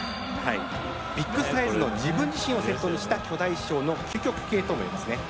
ビッグサイズの自分自身をセットにした巨大衣装の究極形です。